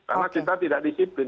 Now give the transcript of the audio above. karena kita tidak disiplin